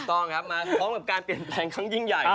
ต้องครับมาพร้อมกับการเปลี่ยนแปลงครั้งยิ่งใหญ่